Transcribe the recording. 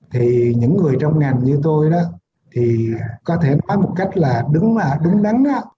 thì những người trong ngành như tôi đó thì có thể nói một cách là đúng đắn